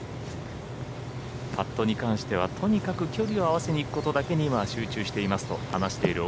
パットに関してはとにかく距離を合わせにいくことだけに今は集中していますと話しています